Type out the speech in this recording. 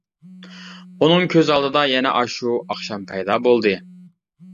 ئۇنىڭ كۆز ئالدىدا يەنە ئاشۇ ئاخشام پەيدا بولدى.